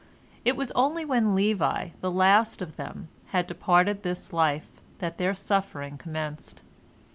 It was only when Levi, the last of them, had departed this life that their suffering commenced.